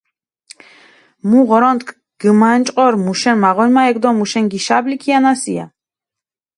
მუ ღორონთქ გჷმანჭყორ, მუშენ მაღოლ მა ექ დო მუშენ გიშაბლი ქიანასია.